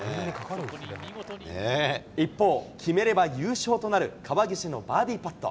一方、決めれば優勝となる川岸のバーディーパット。